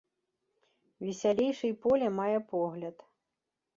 Весялейшы й поле мае погляд.